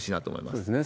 そうですね。